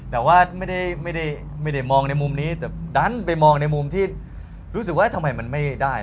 แต่ว่าไม่ได้มองในมุมนี้แต่ดันไปมองในมุมที่รู้สึกว่าทำไมมันไม่ได้